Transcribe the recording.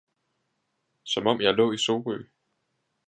- Som om jeg lå i Sorø!